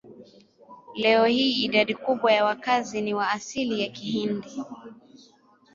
Leo hii idadi kubwa ya wakazi ni wa asili ya Kihindi.